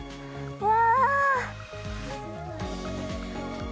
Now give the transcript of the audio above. うわ。